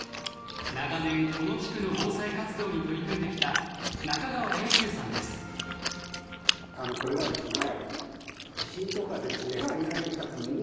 長年この地区の防災活動に取り組んできたこれはですね